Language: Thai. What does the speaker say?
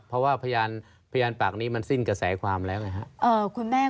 เพราะว่าพยานปากนี้มันสิ้นกระแสความแล้วไงครับ